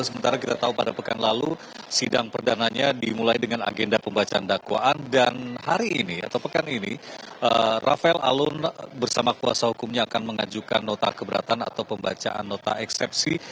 sementara kita tahu pada pekan lalu sidang perdananya dimulai dengan agenda pembacaan dakwaan dan hari ini atau pekan ini rafael alun bersama kuasa hukumnya akan mengajukan nota keberatan atau pembacaan nota eksepsi